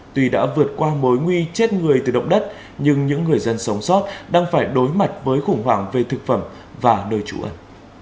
tuy đã vượt qua mối nguy chết người từ động đất nhưng những người dân sống sót đang phải đối mặt với khủng hoảng về thực phẩm và nơi trụ ẩn